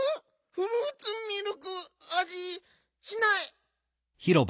フルーツミルクあじしない。